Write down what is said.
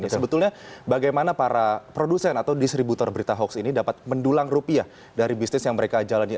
sebetulnya bagaimana para produsen atau distributor berita hoax ini dapat mendulang rupiah dari bisnis yang mereka jalani